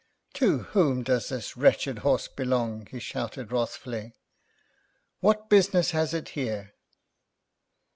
"To whom does this wretched horse belong?" he shouted wrathfully. "What business has it here?"